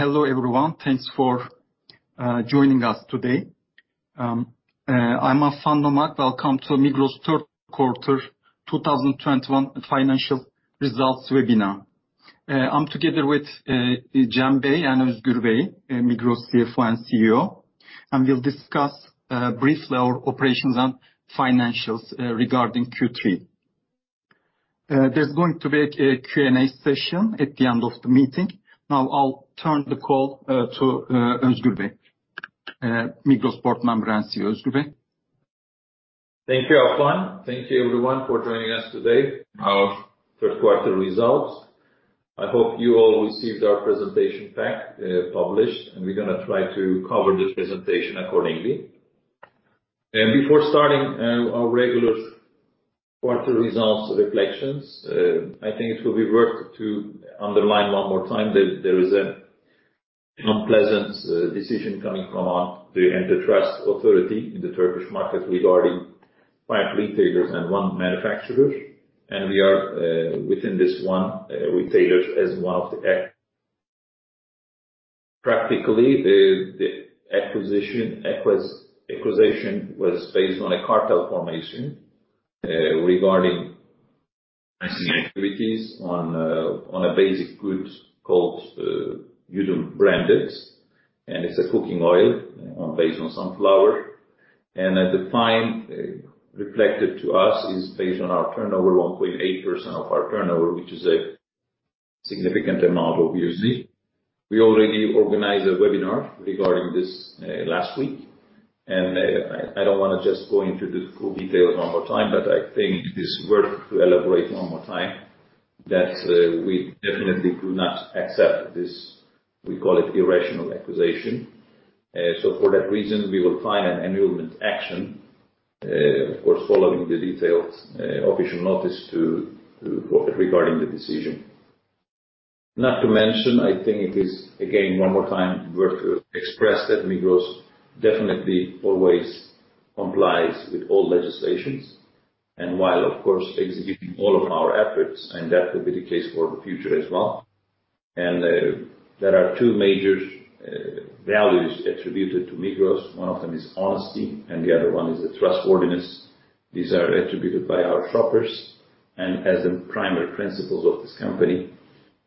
Hello everyone. Thanks for joining us today. I'm Affan Nomak, welcome to Migros Q3 2021 financial results webinar. I'm together with Cem Bey and Özgür Bey, Migros CFO and CEO, and we'll discuss briefly our operations and financials regarding Q3. There's going to be a Q&A session at the end of the meeting. Now I'll turn the call to Özgür Bey. Migros Board Member and CEO, Özgür Bey. Thank you, Affan. Thank you everyone for joining us today. Our third quarter results. I hope you all received our presentation pack, published, and we're gonna try to cover this presentation accordingly. Before starting our regular quarter results reflections, I think it will be worth to underline one more time that there is an unpleasant decision coming from the Turkish Competition Authority in the Turkish market regarding five retailers and one manufacturer. We are one of the retailers. Practically, the accusation was based on a cartel formation regarding activities on a basic good called Yudum branded, and it's a cooking oil based on sunflower. At the time, reflected to us is based on our turnover, 1.8% of our turnover, which is a significant amount obviously. We already organized a webinar regarding this last week, and I don't wanna just go into the full details one more time, but I think it is worth to elaborate one more time that we definitely do not accept this, we call it irrational accusation. So for that reason, we will file an annulment action, of course, following the detailed official notice to regarding the decision. Not to mention, I think it is, again, one more time worth to express that Migros definitely always complies with all legislations while of course executing all of our efforts, and that will be the case for the future as well. There are two major values attributed to Migros. One of them is honesty, and the other one is the trustworthiness. These are attributed by our shoppers and as the primary principles of this company,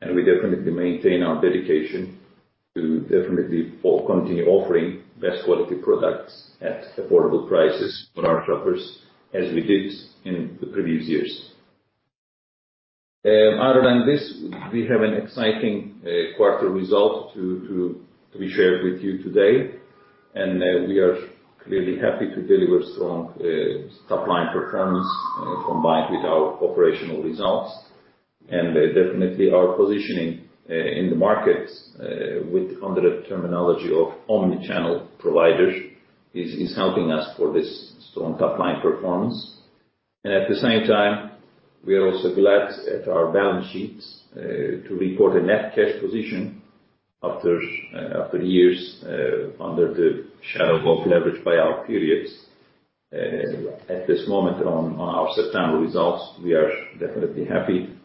and we definitely maintain our dedication to continue offering best quality products at affordable prices for our shoppers, as we did in the previous years. Other than this, we have an exciting quarter result to be shared with you today. We are clearly happy to deliver strong top-line performance combined with our operational results. Definitely our positioning in the markets under the terminology of omni-channel providers is helping us for this strong top line performance. At the same time, we are also glad at our balance sheets to report a net cash position after years under the shadow of leverage by our periods. At this moment on our September results, we are definitely happy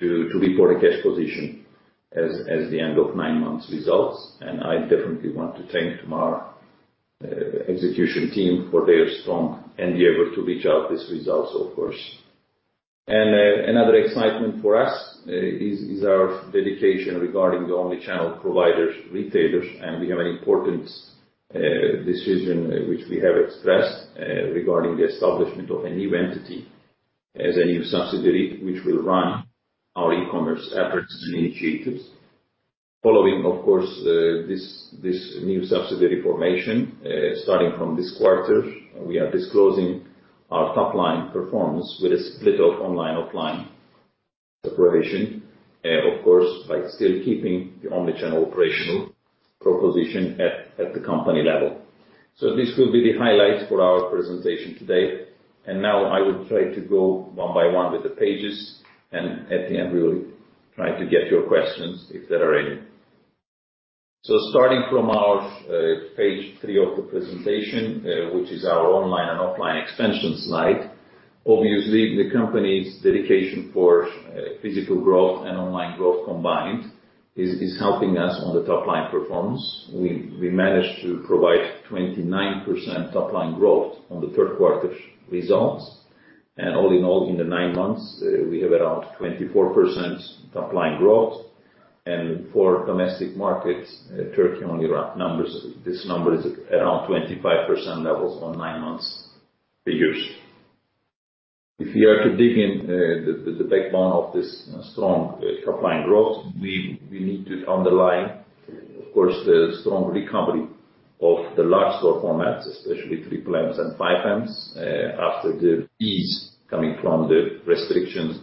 to report a cash position at the end of nine months results. I definitely want to thank our execution team for their strong endeavor to reach these results, of course. Another excitement for us is our dedication regarding the omni-channel providers, retailers, and we have an important decision which we have expressed regarding the establishment of a new entity as a new subsidiary, which will run our e-commerce efforts and initiatives. Following, of course, this new subsidiary formation, starting from this quarter, we are disclosing our top line performance with a split of online/offline separation. Of course, by still keeping the omni-channel operational proposition at the company level. This will be the highlight for our presentation today. Now I will try to go one by one with the pages, and at the end we will try to get your questions if there are any. Starting from our page 3 of the presentation, which is our online and offline expansion slide. Obviously, the company's dedication for physical growth and online growth combined is helping us on the top line performance. We managed to provide 29% top line growth on the third quarter results. All in all, in the nine months, we have around 24% top line growth. For domestic markets, Turkey only, this number is around 25% levels on nine months figures. If you are to dig in, the backbone of this strong top line growth, we need to underline of course the strong recovery of the large store formats, especially three plus and five Ms, after the easing of the restrictions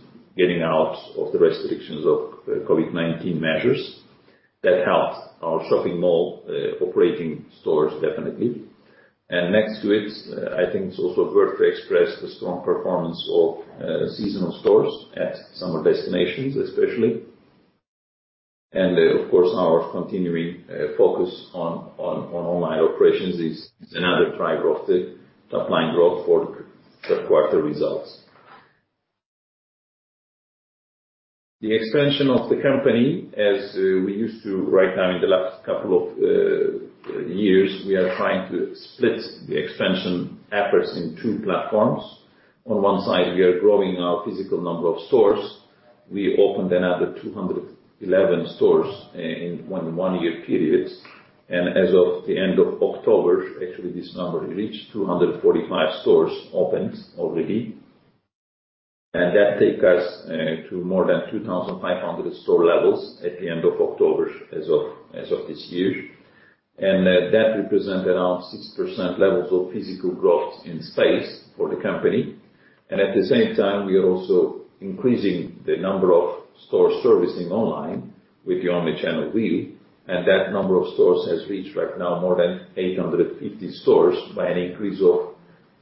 of COVID-19 measures. That helped our shopping mall operating stores definitely. Next to it, I think it's also worth to express the strong performance of seasonal stores at summer destinations especially. Of course, our continuing focus on online operations is another driver of the top line growth for the third quarter results. The expansion of the company as we used to right now in the last couple of years, we are trying to split the expansion efforts in two platforms. On one side, we are growing our physical number of stores. We opened another 211 stores in one year period. As of the end of October, actually, this number reached 245 stores opened already. That take us to more than 2,500 store levels at the end of October as of this year. That represent around 6% levels of physical growth in space for the company. At the same time, we are also increasing the number of store servicing online with the omni-channel wheel, and that number of stores has reached right now more than 850 stores by an increase of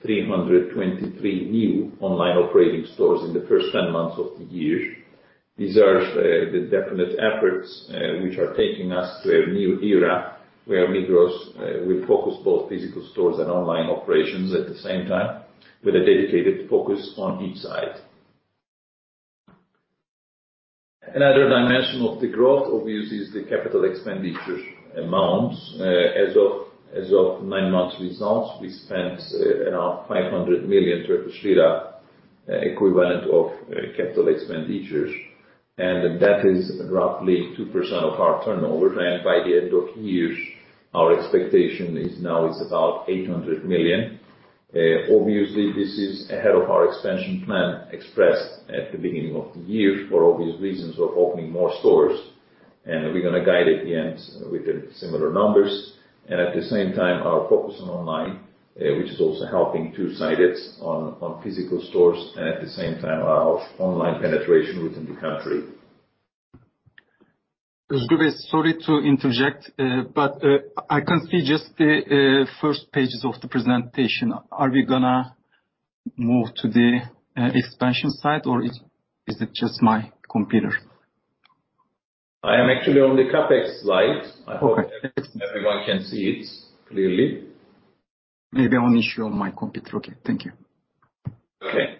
323 new online operating stores in the first 10 months of the year. These are the definite efforts which are taking us to a new era where Migros will focus both physical stores and online operations at the same time with a dedicated focus on each side. Another dimension of the growth obviously is the capital expenditure amounts. As of nine months results, we spent around TL 500 million equivalent of capital expenditures, and that is roughly 2% of our turnover. By the end of the year, our expectation is now about TL 800 million. Obviously, this is ahead of our expansion plan expressed at the beginning of the year for obvious reasons of opening more stores. We're gonna guide at the end with similar numbers. at the same time, our focus on online, which is also helping two sides on physical stores, and at the same time, our online penetration within the country. Özgür, sorry to interject, but I can see just the first pages of the presentation. Are we gonna move to the expansion side, or is it just my computer? I am actually on the CapEx slide. Okay. I hope everyone can see it clearly. Maybe only issue on my computer. Okay. Thank you. Okay.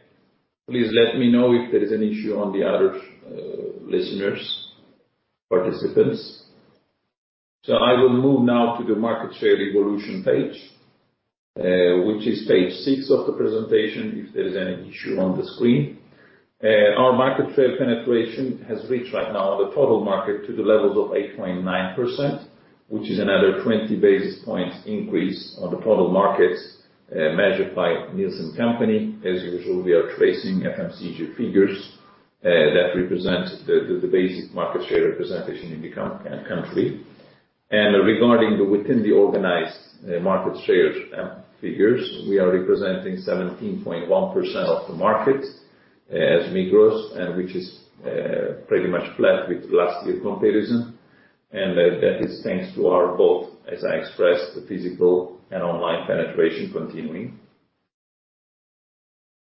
Please let me know if there is an issue on the other listeners, participants. I will move now to the market share evolution page, which is page six of the presentation if there is any issue on the screen. Our market share penetration has reached right now the total market to the levels of 8.9%, which is another 20 basis points increase on the total markets, measured by Nielsen company. As usual, we are tracking FMCG figures that represent the basic market share representation in the country. Regarding within the organized market shares figures, we are representing 17.1% of the market as Migros, which is pretty much flat with last year comparison. That is thanks to our both, as I expressed, the physical and online penetration continuing.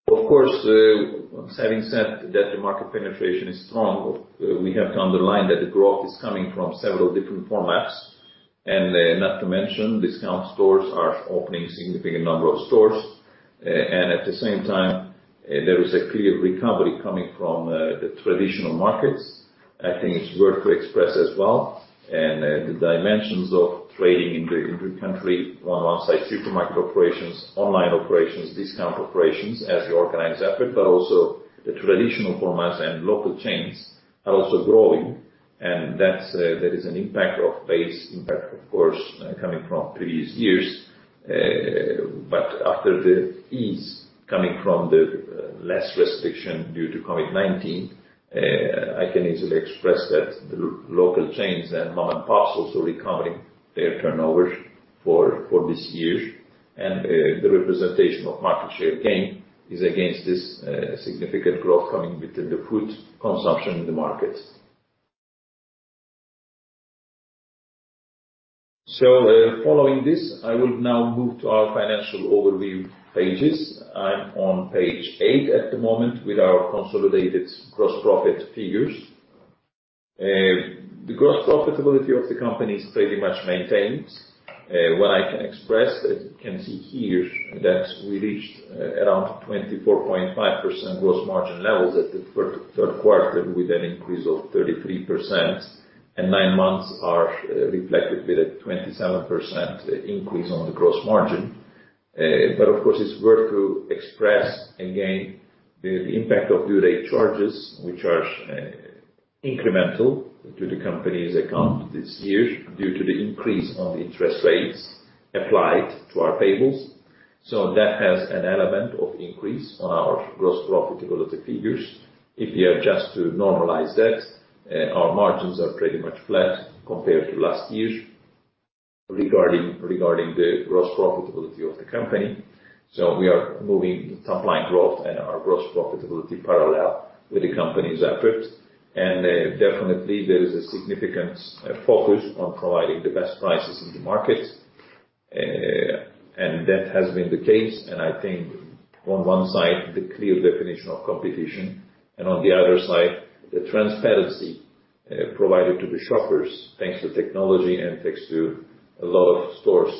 Of course, having said that the market penetration is strong, we have to underline that the growth is coming from several different formats. Not to mention, discount stores are opening significant number of stores. At the same time, there is a clear recovery coming from the traditional markets. I think it's worth to express as well. The dimensions of trading in the country on one side, supermarket operations, online operations, discount operations as the organized effort, but also the traditional formats and local chains are also growing. That's there is an impact of base impact, of course, coming from previous years. After the ease coming from the less restriction due to COVID-19, I can easily express that the local chains and mom and pops also recovering their turnover for this year. The representation of market share gain is against this significant growth coming within the food consumption in the market. Following this, I will now move to our financial overview pages. I'm on page eight at the moment with our consolidated gross profit figures. The gross profitability of the company is pretty much maintained. What I can express, as you can see here, that we reached around 24.5% gross margin levels at the third quarter with an increase of 33%. Nine months are reflected with a 27% increase on the gross margin. But of course, it's worth to express again the impact of due date charges, which are incremental to the company's account this year due to the increase on the interest rates applied to our payables. That has an element of increase on our gross profitability figures. If we are just to normalize that, our margins are pretty much flat compared to last year regarding the gross profitability of the company. We are moving the top line growth and our gross profitability parallel with the company's effort. Definitely there is a significant focus on providing the best prices in the market. That has been the case, and I think on one side, the clear definition of competition, and on the other side, the transparency provided to the shoppers, thanks to technology and thanks to a lot of stores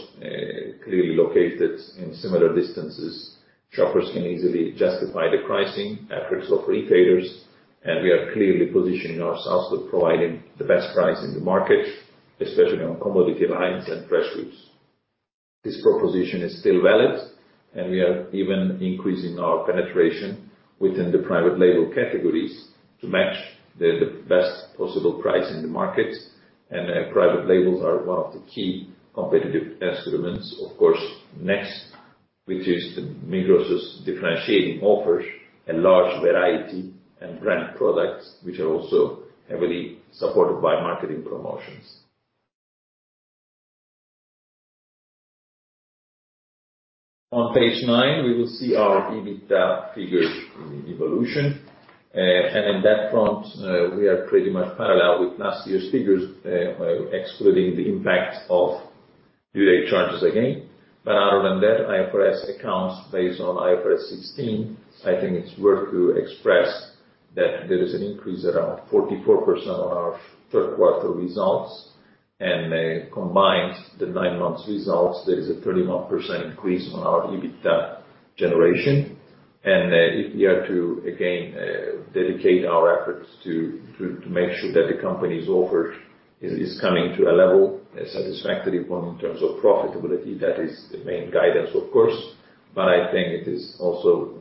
clearly located in similar distances, shoppers can easily justify the pricing efforts of retailers, and we are clearly positioning ourselves with providing the best price in the market, especially on commodity items and fresh foods. This proposition is still valid, and we are even increasing our penetration within the private label categories to match the best possible price in the market. Private labels are one of the key competitive instruments. Of course, next, which is the Migros' differentiating offers, a large variety and brand products, which are also heavily supported by marketing promotions. On page nine, we will see our EBITDA figures in evolution. In that front, we are pretty much parallel with last year's figures, excluding the impact of due date charges again. Other than that, IFRS accounts based on IFRS 16, I think it's worth to express that there is an increase around 44% on our third quarter results, and the combined nine months results, there is a 31% increase on our EBITDA generation. If we are to again dedicate our efforts to make sure that the company's offer is coming to a level, a satisfactory one in terms of profitability, that is the main guidance of course. I think it is also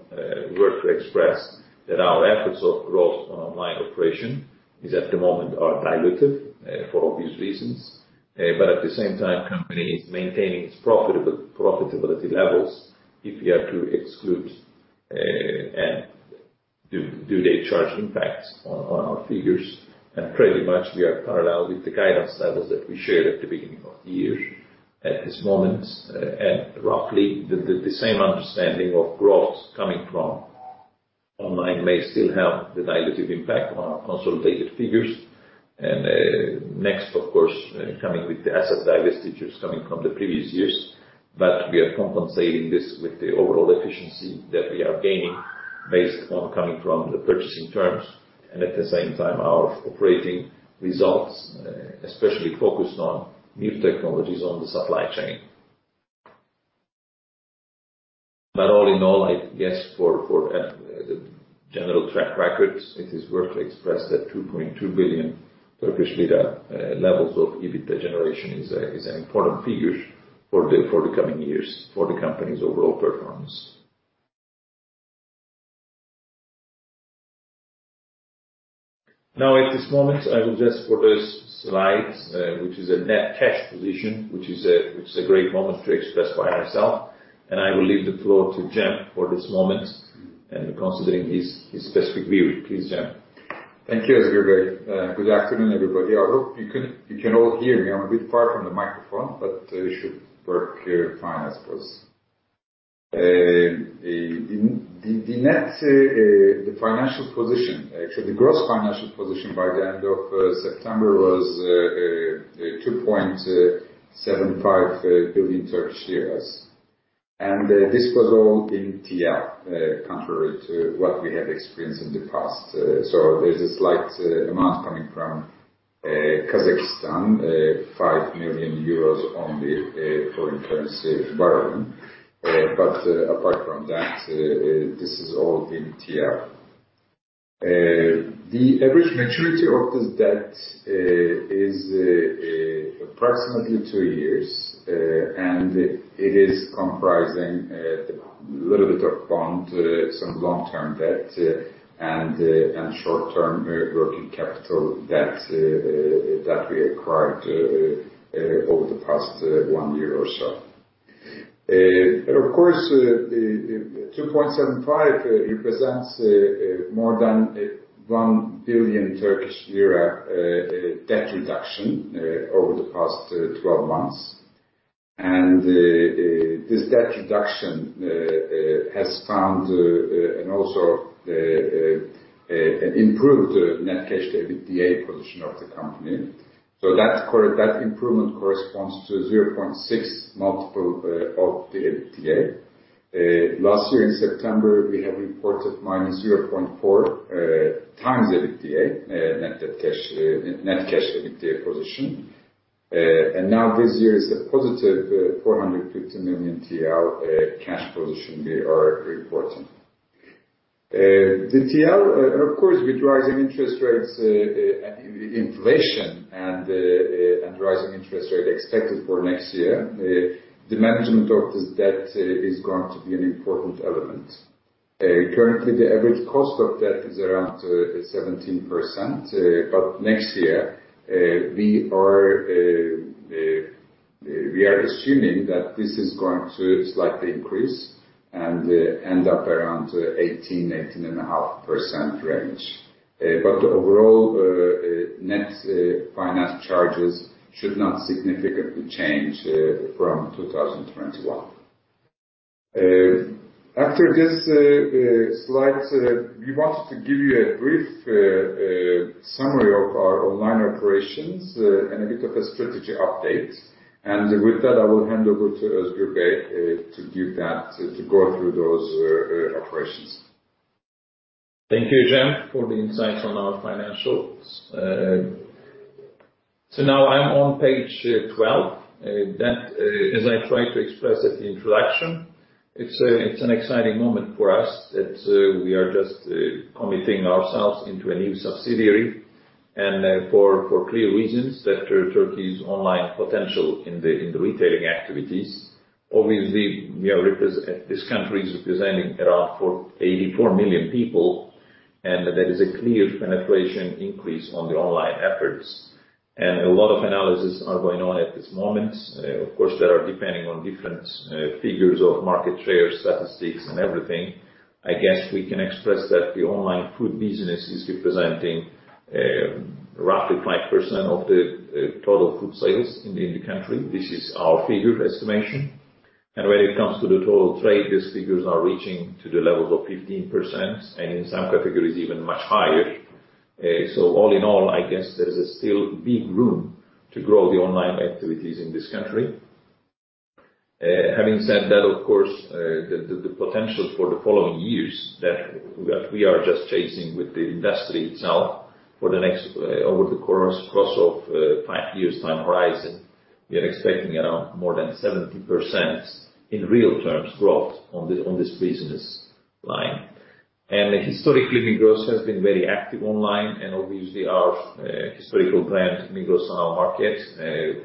worth to express that our efforts of growth on online operation are at the moment dilutive for obvious reasons. At the same time, company is maintaining its profitability levels if we are to exclude due date charge impacts on our figures. Pretty much we are parallel with the guidance levels that we shared at the beginning of the year. At this moment, and roughly the same understanding of growth coming from online may still have the dilutive impact on our consolidated figures. Next of course, coming with the asset divestitures coming from the previous years, but we are compensating this with the overall efficiency that we are gaining based on coming from the purchasing terms. At the same time, our operating results, especially focused on new technologies on the supply chain. All in all, I guess for the general track records, it is worth to express that 2.2 billion Turkish lira levels of EBITDA generation is an important figure for the coming years for the company's overall performance. Now at this moment, I will just for this slide, which is a net cash position, which is a great moment to express by myself, and I will leave the floor to Cem for this moment, and considering his specific view. Please, Cem. Thank you, Özgür Bey. Good afternoon, everybody. I hope you can all hear me. I'm a bit far from the microphone, but it should work fine, I suppose. The gross financial position by the end of September was 2.75 billion Turkish lira. This was all in TL, contrary to what we have experienced in the past. So there's a slight amount coming from Kazakhstan, EUR 5 million on the foreign currency borrowing. But apart from that, this is all in TL. The average maturity of this debt is approximately two years. It is comprising a little bit of bond, some long-term debt, and short-term working capital debt that we acquired over the past one year or so. Of course, 2.75 represents more than TL 1 billion debt reduction over the past 12 months. This debt reduction has also improved net cash to EBITDA position of the company. That improvement corresponds to 0.6x of the EBITDA. Last year in September, we have reported -0.4x EBITDA net debt/cash, net cash to EBITDA position. This year is a positive TL 450 million cash position we are reporting. The TL, of course, with rising interest rates, inflation and rising interest rates expected for next year, the management of this debt is going to be an important element. Currently, the average cost of debt is around 17%. Next year, we are assuming that this is going to slightly increase and end up around 18%-18.5% range. Overall, net finance charges should not significantly change from 2021. After these slides, we wanted to give you a brief summary of our online operations and a bit of a strategy update. With that, I will hand over to Özgür Bey to give that, to go through those operations. Thank you, Cem, for the insights on our financials. So now I'm on page 12. That, as I tried to express at the introduction, it's an exciting moment for us that we are just committing ourselves into a new subsidiary. For clear reasons that Turkey's online potential in the retailing activities. Obviously, this country is representing around 84 million people, and there is a clear penetration increase on the online efforts. A lot of analysis are going on at this moment. Of course, there are depending on different figures of market share statistics and everything. I guess we can express that the online food business is representing roughly 5% of the total food sales in the country. This is our figure estimation. When it comes to the total trade, these figures are reaching to the levels of 15%, and in some categories, even much higher. All in all, I guess there's still a big room to grow the online activities in this country. Having said that, of course, the potential for the following years that we are just chasing with the industry itself for the next, over the course of, five years time horizon, we are expecting around more than 70% in real terms growth on this business line. Historically, Migros has been very active online, and obviously our historical brand, Migros Sanal Market,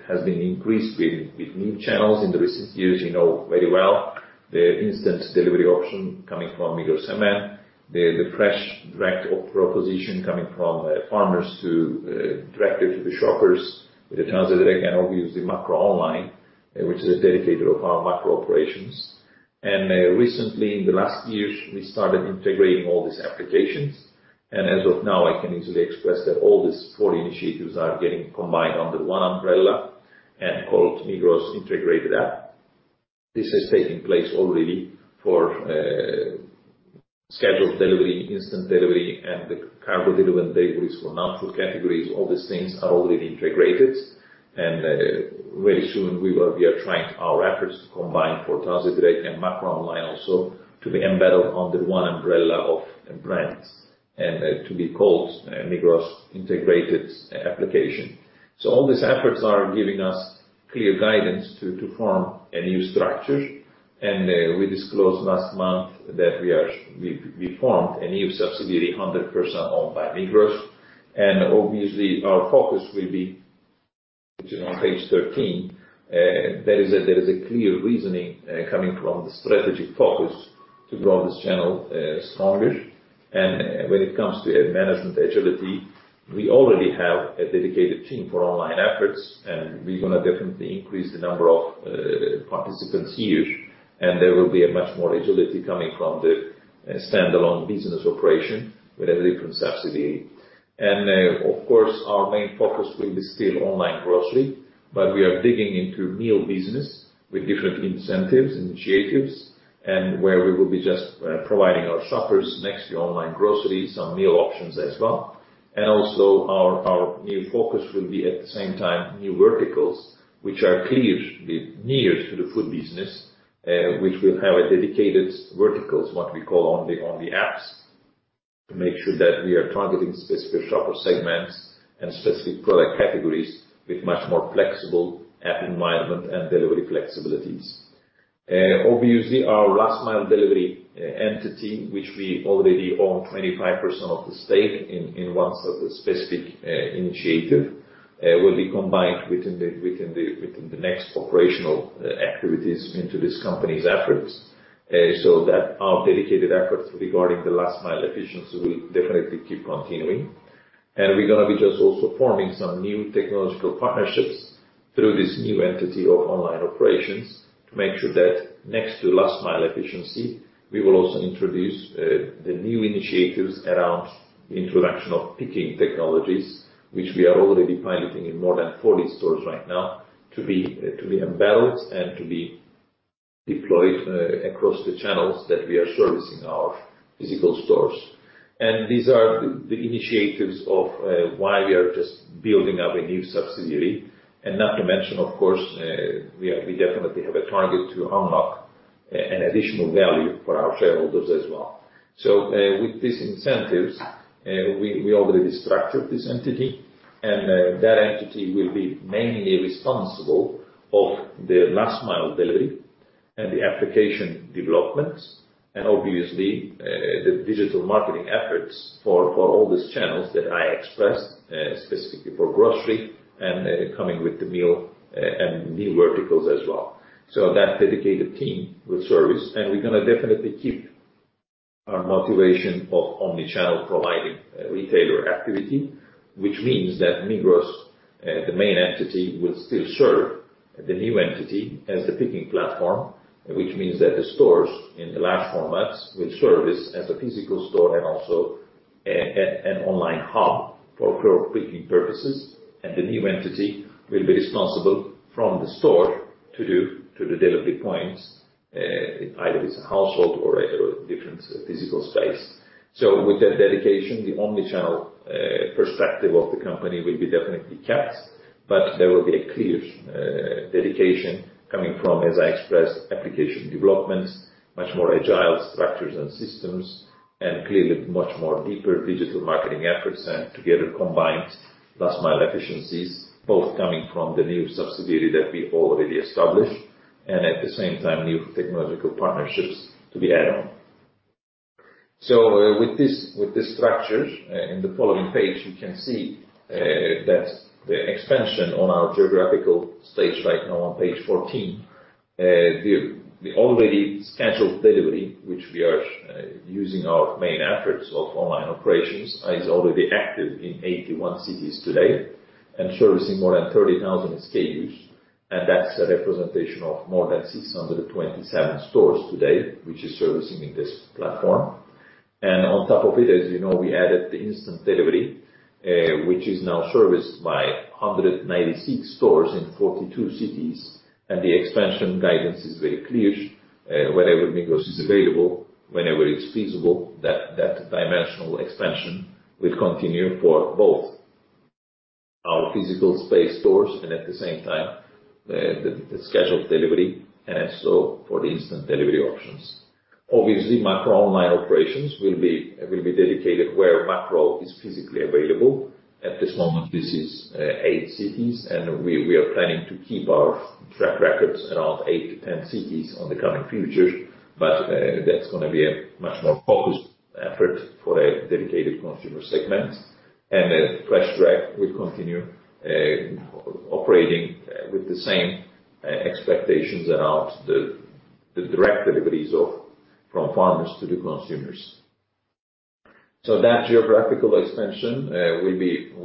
has been increased with new channels in the recent years you know very well. The instant delivery option coming from Migros Hemen. The fresh direct proposition coming from farmers directly to the shoppers with the Tazedirekt, and obviously Macroonline, which is dedicated to our Macrocenter operations. Recently, in the last years, we started integrating all these applications. As of now, I can easily express that all these four initiatives are getting combined under one umbrella and called Migros Integrated App. This is taking place already for scheduled delivery, instant delivery, and the cargo delivery for non-food categories. All these things are already integrated. Very soon we are trying our efforts to combine Tazedirekt and Macroonline also to be embedded under one umbrella of brands and to be called Migros Integrated Application. All these efforts are giving us clear guidance to form a new structure. We disclosed last month that we formed a new subsidiary, 100% owned by Migros. Obviously, our focus will be which on page 13 there is a clear reasoning coming from the strategic focus to grow this channel stronger. When it comes to management agility, we already have a dedicated team for online efforts, and we're gonna definitely increase the number of participants here, and there will be a much more agility coming from the standalone business operation with a different subsidiary. Of course, our main focus will be still online grocery, but we are digging into meal business with different incentives, initiatives, and where we will be just providing our shoppers next to online groceries, some meal options as well. Also our new focus will be, at the same time, new verticals, which are near to the food business, which will have a dedicated verticals, what we call on the apps, to make sure that we are targeting specific shopper segments and specific product categories with much more flexible app environment and delivery flexibilities. Obviously, our last mile delivery entity, which we already own 25% of the stake in one specific initiative, will be combined within the next operational activities into this company's efforts. That our dedicated efforts regarding the last mile efficiency will definitely keep continuing. We're gonna be just also forming some new technological partnerships through this new entity of online operations to make sure that next to last mile efficiency, we will also introduce the new initiatives around introduction of picking technologies, which we are already piloting in more than 40 stores right now to be embedded and to be deployed across the channels that we are servicing our physical stores. These are the initiatives of why we are just building up a new subsidiary. Not to mention, of course, we definitely have a target to unlock an additional value for our shareholders as well. With these incentives, we already structured this entity, and that entity will be mainly responsible for the last mile delivery and the application developments, and obviously, the digital marketing efforts for all these channels that I expressed, specifically for grocery and coming with the meal, and new verticals as well. That dedicated team will service, and we're gonna definitely keep our motivation of omni-channel providing retailer activity, which means that Migros, the main entity, will still serve the new entity as the picking platform. Which means that the stores in the large formats will service as a physical store and also an online hub for picking purposes. The new entity will be responsible for the store to the delivery points, either it's a household or a different physical space. With that dedication, the omni-channel perspective of the company will be definitely kept, but there will be a clear dedication coming from, as I expressed, application development, much more agile structures and systems, and clearly much more deeper digital marketing efforts and together combined last mile efficiencies, both coming from the new subsidiary that we already established. At the same time, new technological partnerships to be add on. With this structure in the following page, you can see that the expansion on our geographical stage right now on page 14, the already scheduled delivery, which we are using our main efforts of online operations, is already active in 81 cities today and servicing more than 30,000 SKUs. That's a representation of more than 627 stores today, which is servicing in this platform. On top of it, as you know, we added the instant delivery, which is now serviced by 196 stores in 42 cities. The expansion guidance is very clear. Wherever Migros is available, whenever it's feasible, that dimensional expansion will continue for both our physical space stores and at the same time, the scheduled delivery, and so for the instant delivery options. Obviously, Macroonline operations will be dedicated where Macrocenter is physically available. At this moment, this is eight cities, and we are planning to keep our track records around eight to 10 cities on the coming futures. That's going to be a much more focused effort for a dedicated consumer segment. Tazedirekt will continue operating with the same expectations around the direct deliveries from farmers to the consumers. That geographical expansion will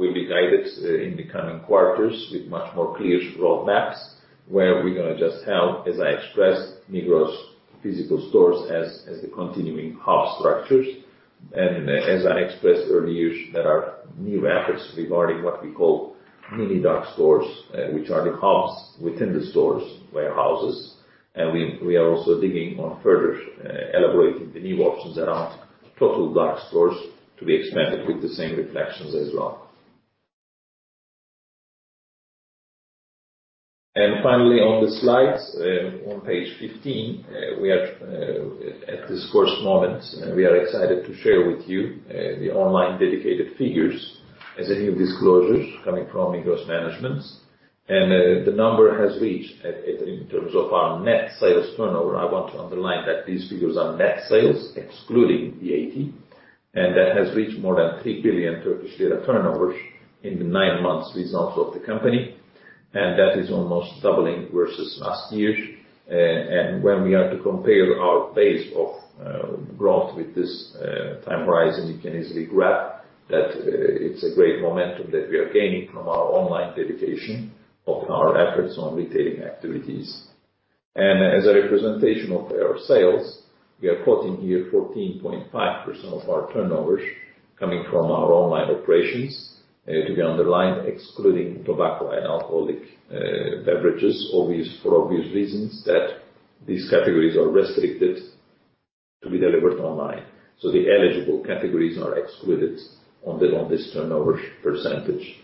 be guided in the coming quarters with much more clear roadmaps, where we're going to just have, as I expressed, Migros physical stores as the continuing hub structures. As I expressed earlier, there are new efforts regarding what we call mini dark stores, which are the hubs within the stores, warehouses. We are also digging into further elaborating the new options around total dark stores to be expanded with the same reflections as well. Finally, on the slides, on page 15, at this current moment, we are excited to share with you the online dedicated figures as new disclosures coming from Migros Management. The number has reached in terms of our net sales turnover. I want to underline that these figures are net sales excluding VAT, and that has reached more than 3 billion Turkish lira turnovers in the nine months results of the company, and that is almost doubling versus last year. When we are to compare our pace of growth with this time horizon, you can easily grasp that it's a great momentum that we are gaining from our online dedication of our efforts on retailing activities. As a representation of our sales, we are quoting here 14.5% of our turnovers coming from our online operations, to be underlined, excluding tobacco and alcoholic beverages, for obvious reasons that these categories are restricted to be delivered online. The eligible categories are included in this turnover percentage.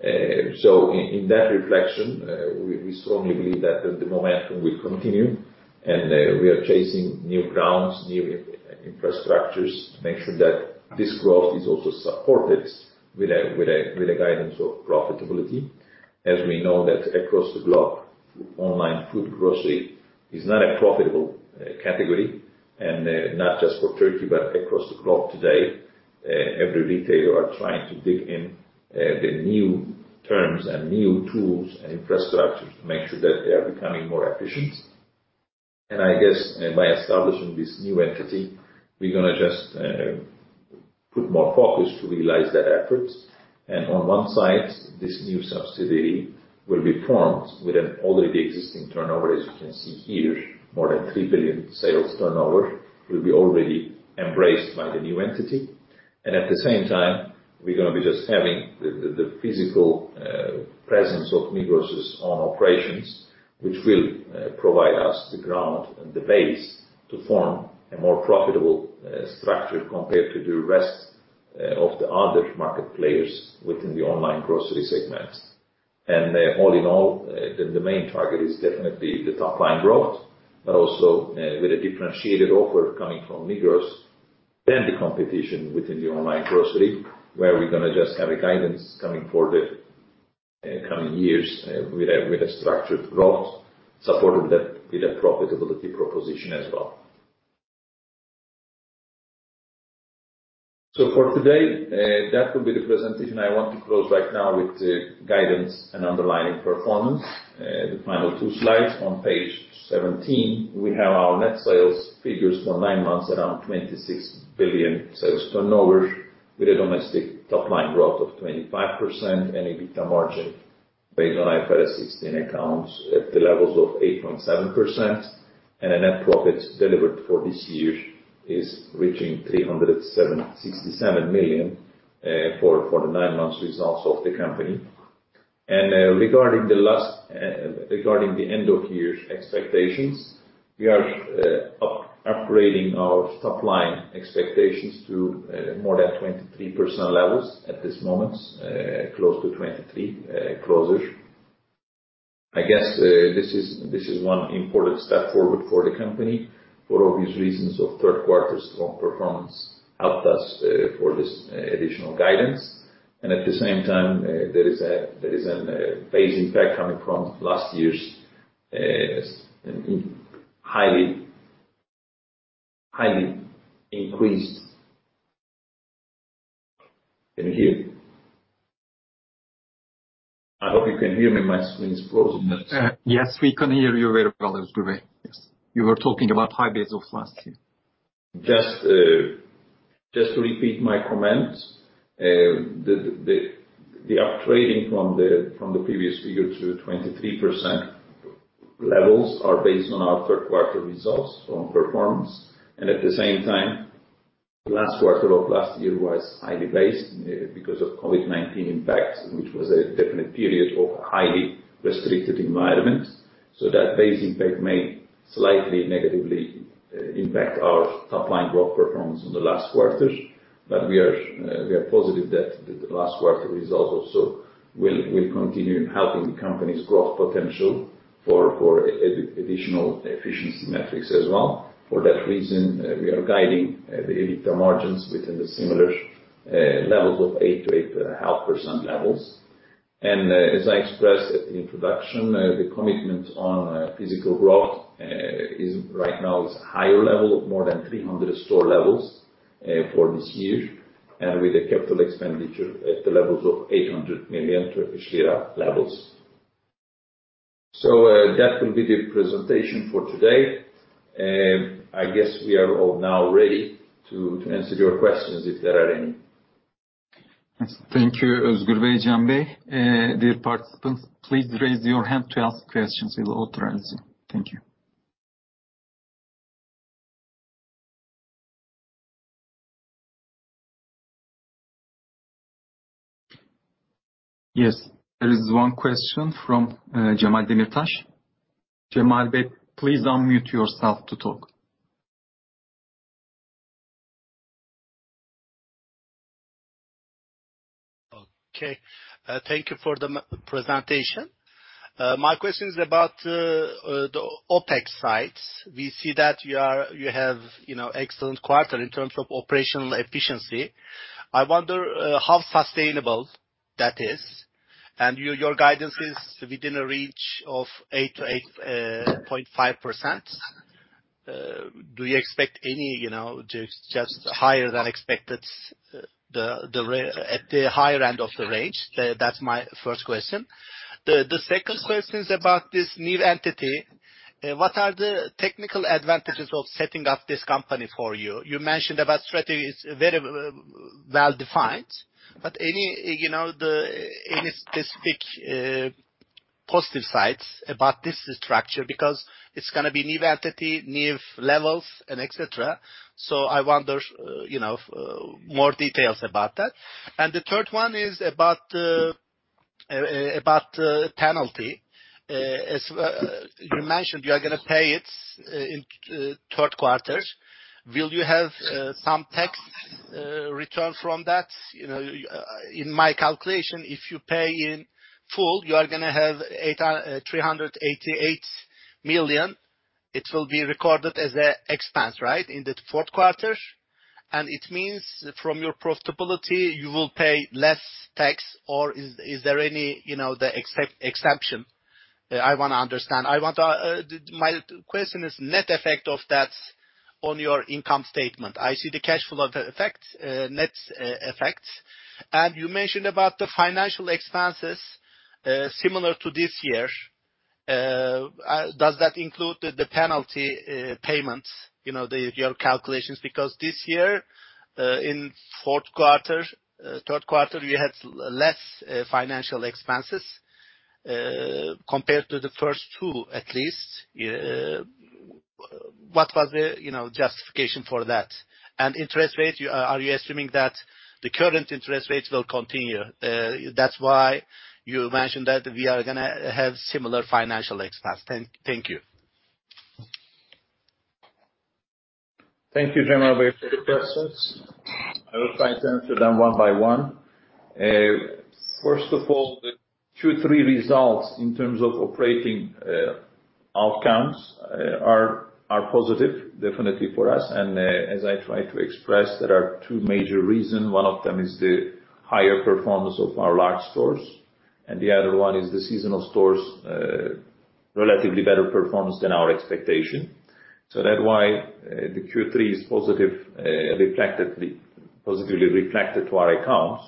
In that reflection, we strongly believe that the momentum will continue, and we are chasing new grounds, new infrastructures to make sure that this growth is also supported with a guidance of profitability. As we know that across the globe, online food grocery is not a profitable category. Not just for Turkey, but across the globe today, every retailer are trying to dig into the new trends and new tools and infrastructures to make sure that they are becoming more efficient. I guess by establishing this new entity, we're going to just put more focus to realize that effort. On one side, this new subsidiary will be formed with an already existing turnover. As you can see here, more than 3 billion sales turnover will be already embraced by the new entity. At the same time, we're going to be just having the physical presence of Migros' own operations, which will provide us the ground and the base to form a more profitable structure compared to the rest of the other market players within the online grocery segment. All in all, the main target is definitely the top line growth, but also with a differentiated offer coming from Migros than the competition within the online grocery, where we're going to just have a guidance coming for the coming years with a structured growth supported with a profitability proposition as well. For today, that would be the presentation. I want to close right now with the guidance and underlying performance. The final two slides on page 17, we have our net sales figures for nine months, around 26 billion sales turnover with a domestic top line growth of 25% and EBITDA margin based on IFRS 16 accounts at the levels of 8.7%. A net profit delivered for this year is reaching 367 million for the nine months results of the company. Regarding the end of year expectations, we are upgrading our top line expectations to more than 23% levels at this moment. Close to 23 closure. I guess this is one important step forward for the company for obvious reasons of third quarter strong performance helped us for this additional guidance. At the same time, there is an base impact coming from last year's highly increased. Can you hear? I hope you can hear me. My screen is frozen. Yes, we can hear you very well, Özgür Bey. Yes. You were talking about high base of last year. Just to repeat my comment, the up-trading from the previous figure to 23% levels are based on our third quarter results from performance. At the same time, last quarter of last year was highly biased because of COVID-19 impact, which was a difficult period of highly restricted environment. That base impact may slightly negatively impact our top line growth performance in the last quarter. We are positive that the last quarter results also will continue helping the company's growth potential for additional efficiency metrics as well. For that reason, we are guiding the EBITDA margins within similar levels of 8%-8.5%. As I expressed at the introduction, the commitment on physical growth is right now higher level, more than 300 store levels for this year, with a capital expenditure at the levels of 800 million Turkish lira. That will be the presentation for today. I guess we are all now ready to answer your questions, if there are any. Thank you, Özgür Bey, Cem Bey. Dear participants, please raise your hand to ask questions. We will authorize you. Thank you. Yes, there is one question from Cemal Demirtas. Cemal Bey, please unmute yourself to talk. Okay. Thank you for the presentation. My question is about the OpEx side. We see that you have, you know, excellent quarter in terms of operational efficiency. I wonder how sustainable that is. Your guidance is within a range of 8%-8.5%. Do you expect any, you know, just higher than expected at the higher end of the range? That's my first question. The second question is about this new entity. What are the technical advantages of setting up this company for you? You mentioned the strategy is very well defined, but any, you know, any specific positive sides about this structure, because it's gonna be new entity, new levels, and et cetera. I wonder, you know, more details about that. The third one is about a penalty. As you mentioned, you are gonna pay it in third quarter. Will you have some tax return from that? You know, in my calculation, if you pay in full, you are gonna have 388 million. It will be recorded as an expense, right? In the fourth quarter. It means from your profitability, you will pay less tax. Or is there any exception? I wanna understand. My question is net effect of that on your income statement. I see the cash flow effects, net effects. You mentioned about the financial expenses similar to this year. Does that include the penalty payments? You know, your calculations. Because this year, in fourth quarter, third quarter, you had less financial expenses compared to the first two, at least. What was the, you know, justification for that? Interest rates, are you assuming that the current interest rates will continue? That's why you mentioned that we are gonna have similar financial expense. Thank you. Thank you, Cemal Bey, for the questions. I will try to answer them one by one. First of all, the Q3 results in terms of operating outcomes are positive definitely for us. As I try to express, there are two major reasons. One of them is the higher performance of our large stores, and the other one is the seasonal stores', relatively better performance than our expectation. That's why the Q3 is positive, positively reflected to our accounts.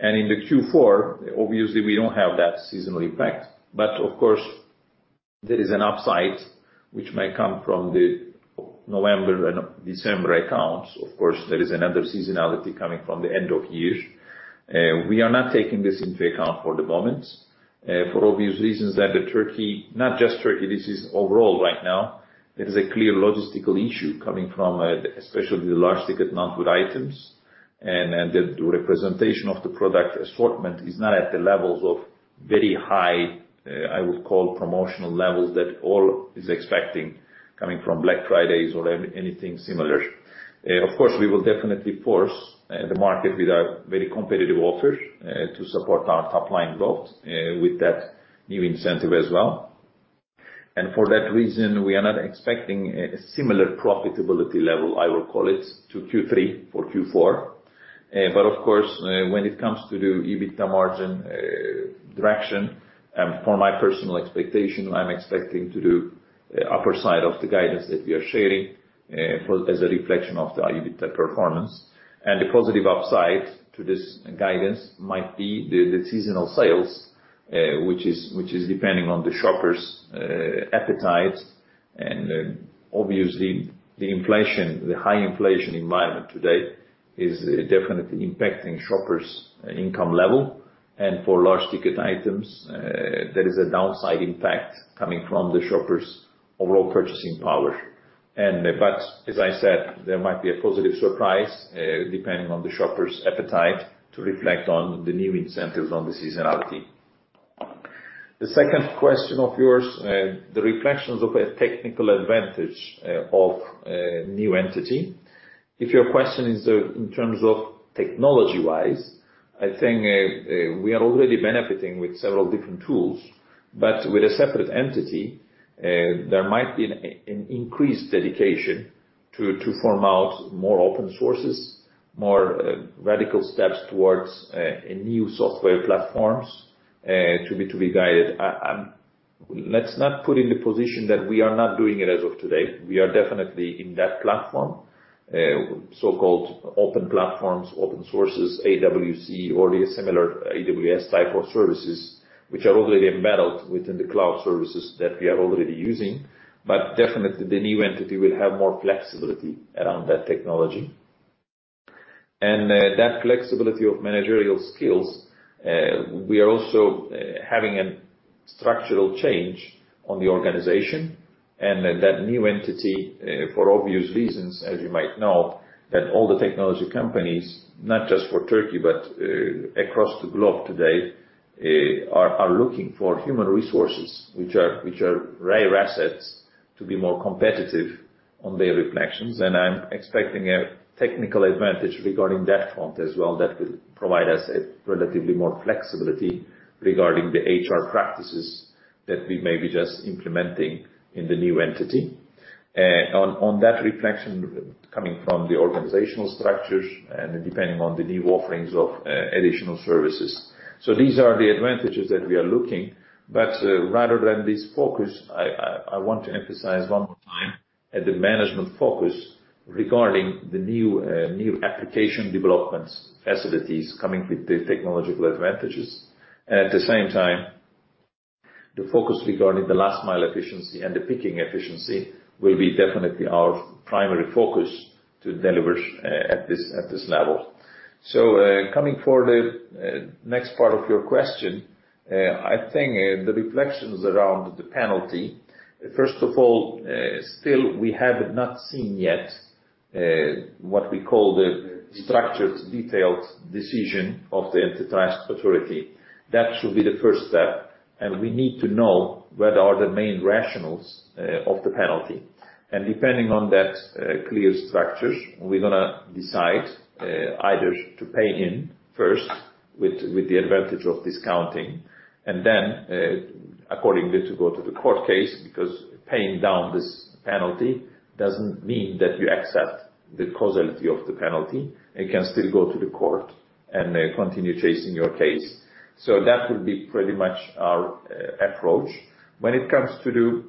In the Q4, obviously we don't have that seasonal impact. Of course, there is an upside which may come from the November and December accounts. Of course, there is another seasonality coming from the end of year. We are not taking this into account for the moment, for obvious reasons that in Turkey, not just in Turkey, this is overall right now. There is a clear logistical issue coming from, especially the large ticket non-food items. The representation of the product assortment is not at the levels of very high, I would call promotional levels that all is expecting coming from Black Fridays or anything similar. Of course, we will definitely force the market with a very competitive offer to support our top line growth with that new incentive as well. For that reason, we are not expecting a similar profitability level, I will call it, to Q3 or Q4. Of course, when it comes to the EBITDA margin direction, for my personal expectation, I'm expecting to do upper side of the guidance that we are sharing for as a reflection of the EBITDA performance. The positive upside to this guidance might be the seasonal sales, which is depending on the shoppers' appetite. Obviously the inflation, the high inflation environment today is definitely impacting shoppers' income level. For large ticket items, there is a downside impact coming from the shoppers' overall purchasing power. As I said, there might be a positive surprise, depending on the shoppers' appetite to reflect on the new incentives on the seasonality. The second question of yours, the reflections of a technical advantage of a new entity. If your question is in terms of technology-wise, I think we are already benefiting with several different tools. With a separate entity, there might be an increased dedication to form out more open sources, more radical steps towards a new software platforms to be guided. Let's not put ourselves in the position that we are not doing it as of today. We are definitely in that platform, so-called open platforms, open sources, AWS or the similar AWS type of services which are already embedded within the cloud services that we are already using. Definitely the new entity will have more flexibility around that technology. That flexibility of managerial skills, we are also having a structural change in the organization and that new entity for obvious reasons, as you might know, that all the technology companies, not just for Turkey, but across the globe today, are looking for human resources which are rare assets to be more competitive in their operations. I'm expecting a technical advantage regarding that front as well that will provide us a relatively more flexibility regarding the HR practices that we may be just implementing in the new entity. On that reflection coming from the organizational structures and depending on the new offerings of additional services. These are the advantages that we are looking. Rather than this focus, I want to emphasize one more time the management focus regarding the new application developments facilities coming with the technological advantages. At the same time, the focus regarding the last mile efficiency and the picking efficiency will be definitely our primary focus to deliver at this level. Coming to the next part of your question, I think the reflections around the penalty. First of all, still we have not seen yet what we call the structured detailed decision of the Turkish Competition Authority. That should be the first step, and we need to know what are the main rationales of the penalty. Depending on that clear structure, we're gonna decide either to pay in first with the advantage of discounting and then accordingly to go to the court case. Because paying down this penalty doesn't mean that you accept the causality of the penalty. It can still go to the court and continue chasing your case. That would be pretty much our approach. When it comes to the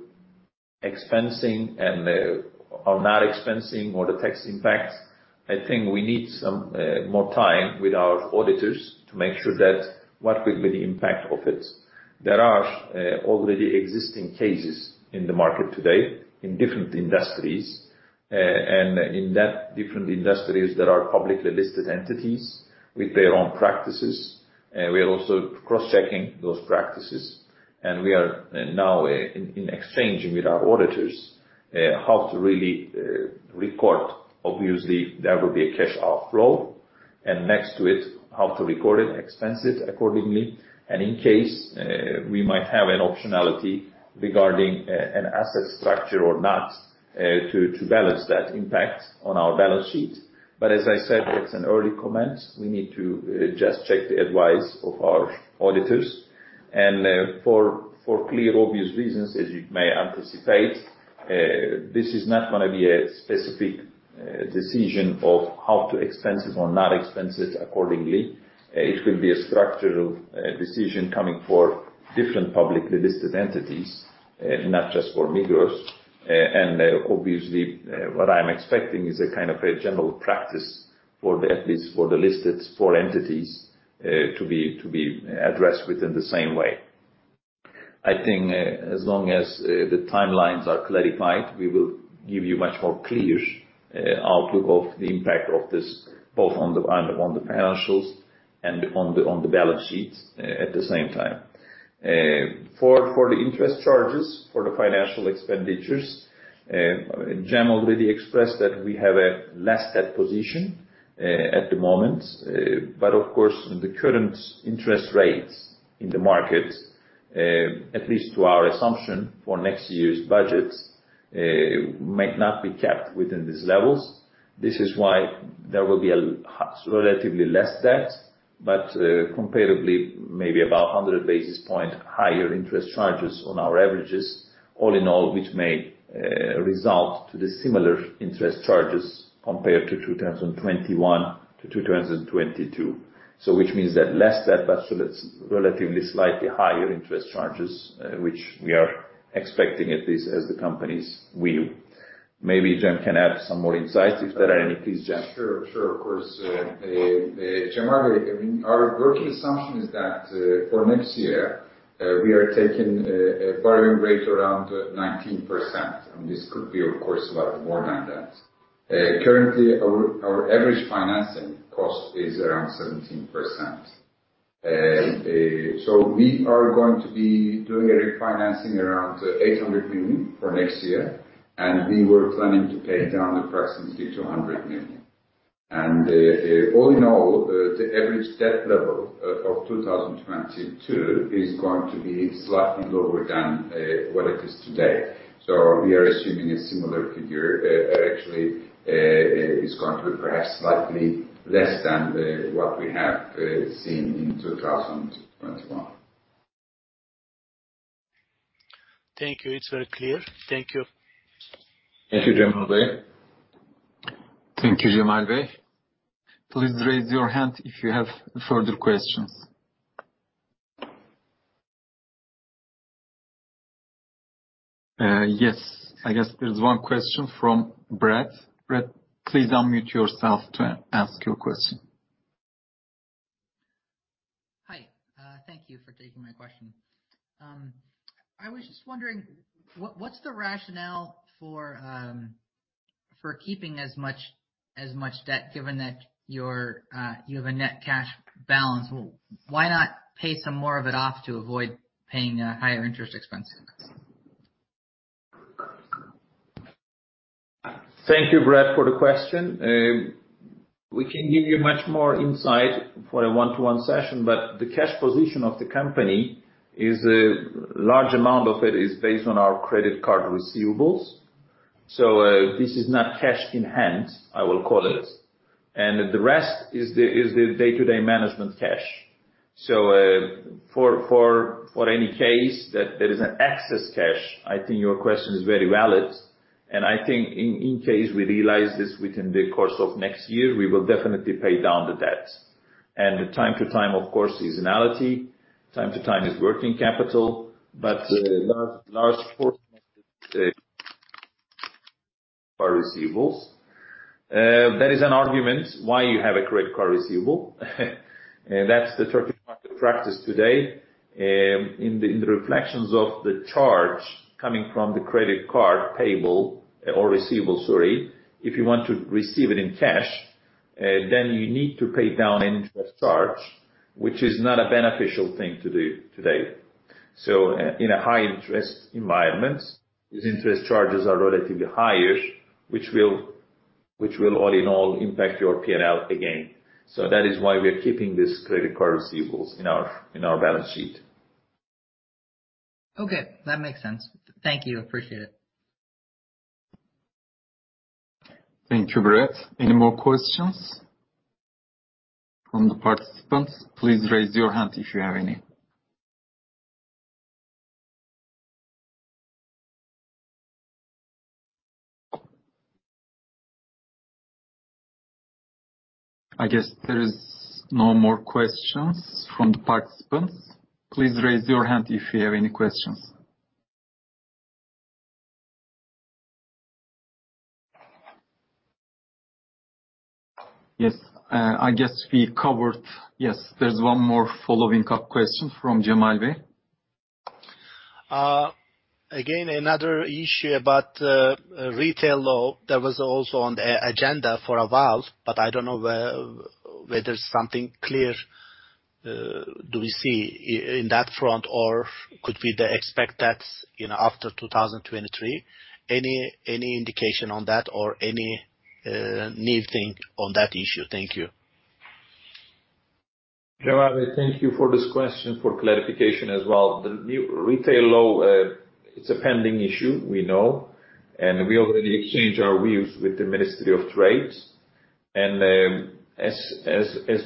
expensing and or not expensing or the tax impact, I think we need some more time with our auditors to make sure that what will be the impact of it. There are already existing cases in the market today in different industries. In that different industries, there are publicly listed entities with their own practices, and we are also cross-checking those practices. We are now in exchange with our auditors how to really record. Obviously, there will be a cash outflow and next to it how to record it, expense it accordingly. In case we might have an optionality regarding an asset structure or not, to balance that impact on our balance sheet. But as I said, it's an early comment. We need to just check the advice of our auditors. For clear obvious reasons, as you may anticipate, this is not gonna be a specific decision of how to expense it or not expense it accordingly. It will be a structural decision coming for different publicly listed entities, not just for Migros. Obviously, what I'm expecting is a kind of a general practice for the, at least for the listed four entities, to be addressed within the same way. I think, as long as the timelines are clarified, we will give you much more clear outlook of the impact of this, both on the P&Ls and on the balance sheets at the same time. For the interest charges, for the financial expenditures, Cem already expressed that we have a less debt position at the moment. But of course, the current interest rates in the market, at least to our assumption for next year's budgets, might not be kept within these levels. This is why there will be a relatively less debt, but comparably maybe about 100 basis points higher interest charges on our averages all in all, which may result in similar interest charges compared to 2021 to 2022. Which means that less debt, but that's relatively slightly higher interest charges, which we are expecting at least as the company will. Maybe Cem can add some more insight if there are any. Please, Cem. Sure, sure. Of course. Cemal, I mean, our working assumption is that for next year, we are taking a borrowing rate around 19%, and this could be, of course, a lot more than that. Currently, our average financing cost is around 17%. We are going to be doing a refinancing around 800 million for next year, and we were planning to pay down approximately 200 million. All in all, the average debt level of 2022 is going to be slightly lower than what it is today. We are assuming a similar figure. Actually, it's going to be perhaps slightly less than what we have seen in 2021. Thank you. It's very clear. Thank you. Thank you, Cemal Bey. Thank you, Cemal Bey. Please raise your hand if you have further questions. Yes. I guess there's one question from Brett. Brett, please unmute yourself to ask your question. Hi, thank you for taking my question. I was just wondering, what's the rationale for keeping as much debt given that you have a net cash balance? Why not pay some more of it off to avoid paying a higher interest expense? Thank you, Brett, for the question. We can give you much more insight for a one-to-one session, but the cash position of the company is a large amount of it is based on our credit card receivables. This is not cash in hand, I will call it. The rest is the day-to-day management cash. For any case that there is an excess cash, I think your question is very valid. I think in case we realize this within the course of next year, we will definitely pay down the debt. Time to time, of course, seasonality, time to time is working capital, but large portion of it is our receivables. That is an argument why you have a credit card receivable. That's the Turkish market practice today. In the reflections of the charge coming from the credit card payable or receivable, sorry, if you want to receive it in cash, then you need to pay down an interest charge, which is not a beneficial thing to do today. In a high interest environment, these interest charges are relatively higher, which will all in all impact your P&L again. That is why we are keeping these credit card receivables in our balance sheet. Okay. That makes sense. Thank you. Appreciate it. Thank you, Brett. Any more questions from the participants? Please raise your hand if you have any. I guess there is no more questions from the participants. Please raise your hand if you have any questions. Yes. Yes, there's one more follow-up question from Cemal Bey. Again, another issue about retail law that was also on the agenda for a while, but I don't know whether something clear, do we see in that front, or could we expect that, you know, after 2023? Any indication on that or any new thing on that issue? Thank you. Cem Bey, thank you for this question, for clarification as well. The new retail law, it's a pending issue, we know, and we already exchanged our views with the Ministry of Trade. As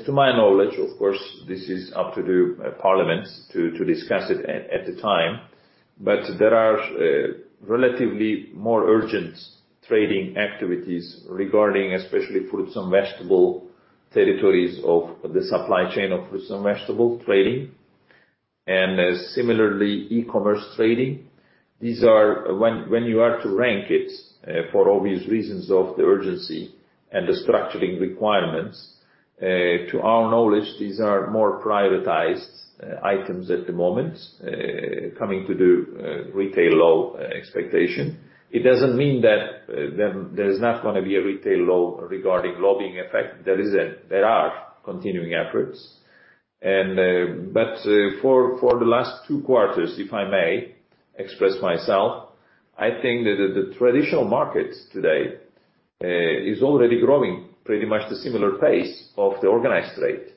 to my knowledge, of course, this is up to the parliament to discuss it at the time. There are relatively more urgent trading activities regarding especially fruits and vegetable territories of the supply chain of fruits and vegetable trading, and similarly, e-commerce trading. These are. When you are to rank it, for obvious reasons of the urgency and the structuring requirements, to our knowledge, these are more privatized items at the moment, coming to the retail law expectation. It doesn't mean that, there's not gonna be a retail law regarding lobbying effect. There are continuing efforts. For the last two quarters, if I may express myself, I think that the traditional market today is already growing pretty much the similar pace of the organized retail.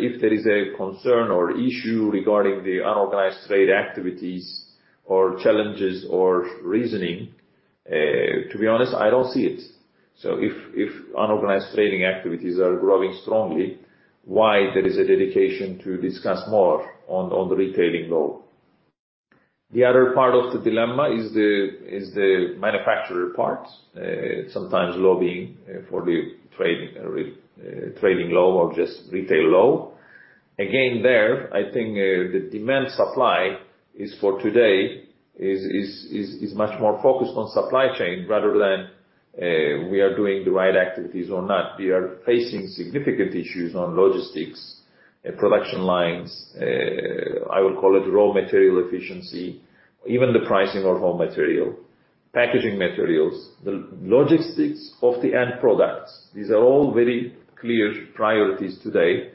If there is a concern or issue regarding the unorganized trade activities or challenges or reasoning, to be honest, I don't see it. If unorganized trading activities are growing strongly, why there is a dedication to discuss more on the retailing law. The other part of the dilemma is the manufacturer part, sometimes lobbying for the trade trading law or just retail law. I think the demand supply is for today is much more focused on supply chain rather than we are doing the right activities or not. We are facing significant issues on logistics, production lines, I would call it raw material efficiency, even the pricing of raw material, packaging materials, the logistics of the end products. These are all very clear priorities today.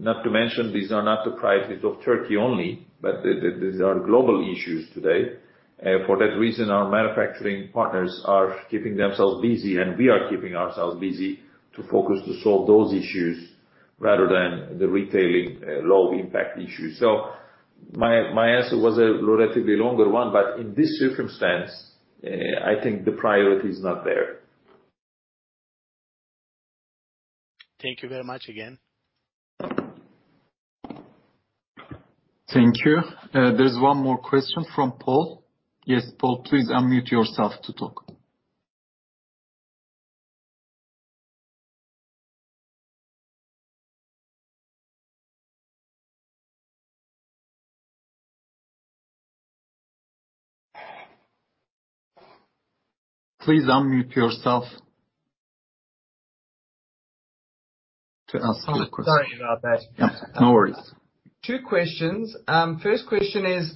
Not to mention, these are not the priorities of Turkey only, but these are global issues today. For that reason, our manufacturing partners are keeping themselves busy, and we are keeping ourselves busy to focus to solve those issues rather than the retailing law impact issue. My answer was a relatively longer one, but in this circumstance, I think the priority is not there. Thank you very much again. Thank you. There's one more question from Paul. Yes, Paul, please unmute yourself to talk. Please unmute yourself to ask your question. Sorry about that. Yeah. No worries. Two questions. First question is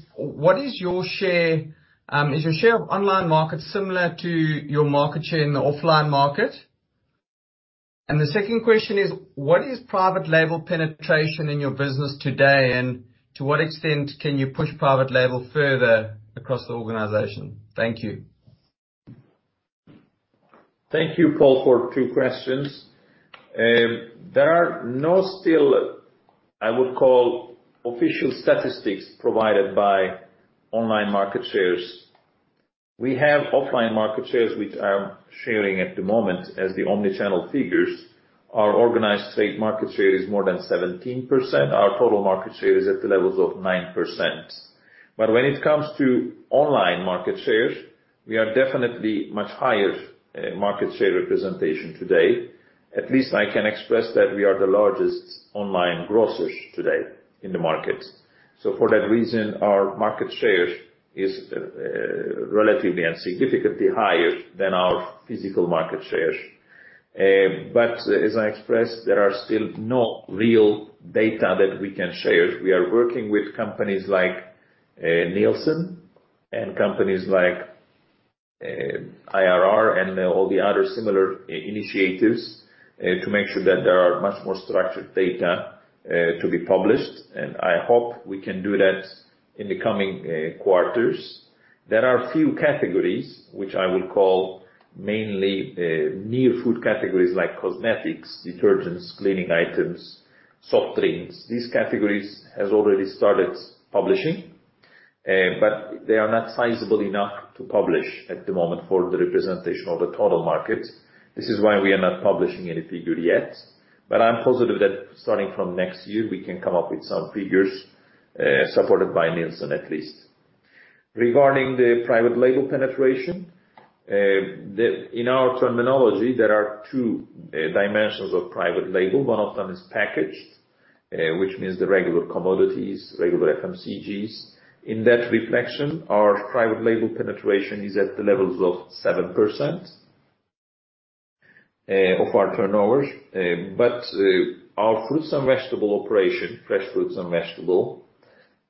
your share of online market similar to your market share in the offline market? The second question is, what is private label penetration in your business today, and to what extent can you push private label further across the organization? Thank you. Thank you, Paul, for two questions. There are still no official statistics provided by online market shares. We have offline market shares, which I'm sharing at the moment as the omni-channel figures. Our organized state market share is more than 17%. Our total market share is at the levels of 9%. When it comes to online market shares, we are definitely much higher market share representation today. At least I can express that we are the largest online grocers today in the market. For that reason, our market share is relatively and significantly higher than our physical market share. As I expressed, there are still no real data that we can share. We are working with companies like Nielsen and companies like IRI and all the other similar initiatives to make sure that there are much more structured data to be published. I hope we can do that in the coming quarters. There are few categories, which I will call mainly near food categories like cosmetics, detergents, cleaning items, soft drinks. These categories has already started publishing, but they are not sizable enough to publish at the moment for the representation of the total market. This is why we are not publishing any figure yet, but I'm positive that starting from next year, we can come up with some figures supported by Nielsen, at least. Regarding the private label penetration, in our terminology, there are two dimensions of private label. One of them is packaged, which means the regular commodities, regular FMCG. In that respect, our private label penetration is at the levels of 7% of our turnover. But our fruits and vegetable operation, fresh fruits and vegetable,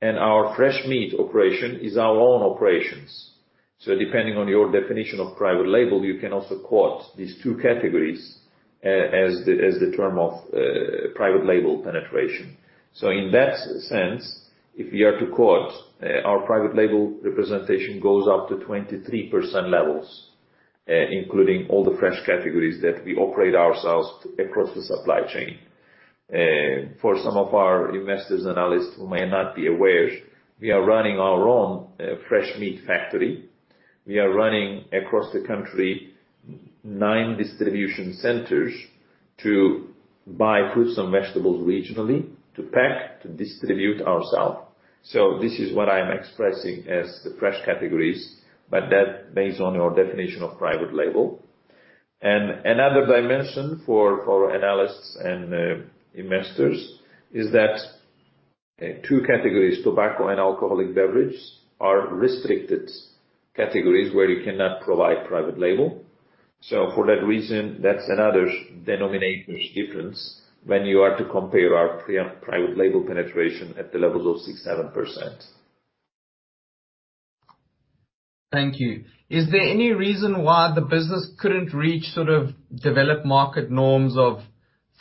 and our fresh meat operation is our own operations. So depending on your definition of private label, you can also quote these two categories as the term of private label penetration. So in that sense, if we are to quote, our private label representation goes up to 23% levels, including all the fresh categories that we operate ourselves across the supply chain. For some of our investors, analysts who may not be aware, we are running our own fresh meat factory. We are running across the country 9 distribution centers to buy fruits and vegetables regionally to pack, to distribute ourselves. This is what I am expressing as the fresh categories, but that's based on your definition of private label. Another dimension for analysts and investors is that two categories, tobacco and alcoholic beverage, are restricted categories where you cannot provide private label. For that reason, that's another denominator's difference when you are to compare our private label penetration at the level of 6%-7%. Thank you. Is there any reason why the business couldn't reach sort of developed market norms of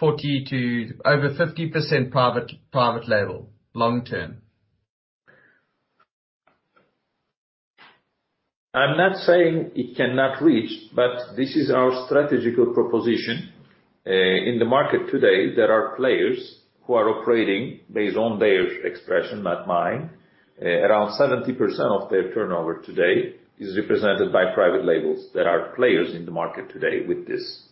40% to over 50% private label long-term? I'm not saying it cannot reach, but this is our strategic proposition. In the market today, there are players who are operating based on their expression, not mine. Around 70% of their turnover today is represented by private labels. There are players in the market today with this.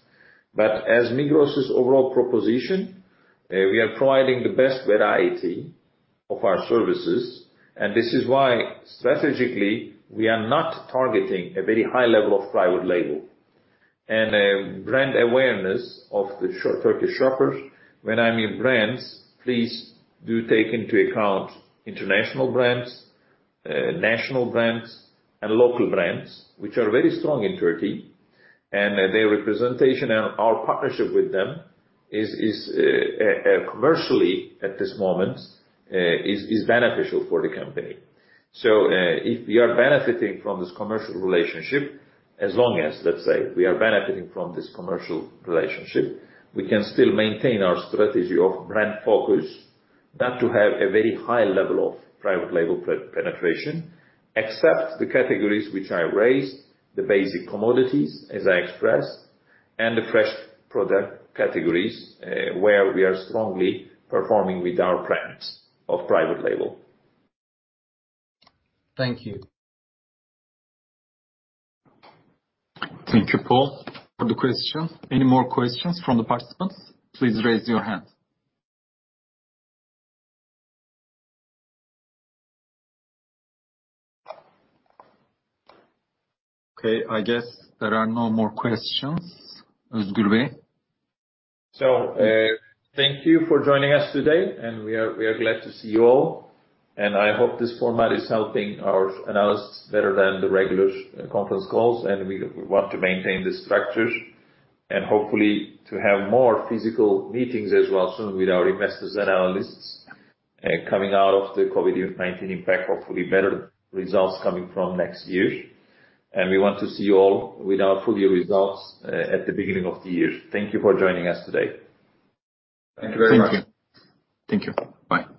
As Migros' overall proposition, we are providing the best variety of our services, and this is why, strategically, we are not targeting a very high level of private label. Brand awareness of the Turkish shoppers. When I mean brands, please do take into account international brands, national brands and local brands, which are very strong in Turkey, and their representation and our partnership with them is commercially at this moment beneficial for the company. If we are benefiting from this commercial relationship, as long as, let's say, we can still maintain our strategy of brand focus not to have a very high level of private label penetration, except the categories which I raised, the basic commodities, as I expressed, and the fresh product categories, where we are strongly performing with our brands of private label. Thank you. Thank you, Paul, for the question. Any more questions from the participants? Please raise your hand. Okay, I guess there are no more questions. Özgür Bey. Thank you for joining us today, and we are glad to see you all. I hope this format is helping our analysts better than the regular conference calls, and we want to maintain this structure. Hopefully to have more physical meetings as well soon with our investors and our analysts, coming out of the COVID-19 impact, hopefully better results coming from next year. We want to see you all with our full year results, at the beginning of the year. Thank you for joining us today. Thank you very much. Thank you. Thank you. Bye.